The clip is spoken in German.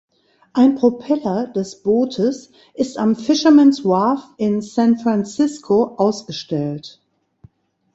Ein Propeller des Bootes ist am Fisherman’s Wharf in San Francisco ausgestellt.